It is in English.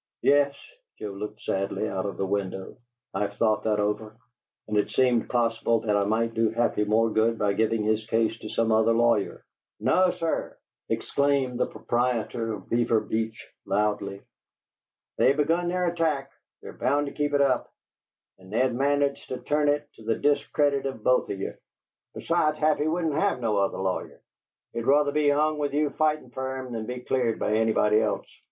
"Yes." Joe looked sadly out of the window. "I've thought that over, and it seemed possible that I might do Happy more good by giving his case to some other lawyer." "No, sir!" exclaimed the proprietor of Beaver Beach, loudly. "They've begun their attack; they're bound to keep it up, and they'd manage to turn it to the discredit of both of ye. Besides, Happy wouldn't have no other lawyer; he'd ruther be hung with you fightin' fer him than be cleared by anybody else.